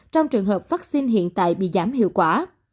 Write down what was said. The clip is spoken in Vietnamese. trong trường hợp vaccine hiện tại bị giảm hiệu quả